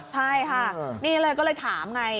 ใช่ค่ะนี่เลยก็เลยถามไง